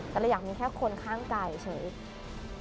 แต่เราอยากมีแค่คนข้างไกลใช่ไหม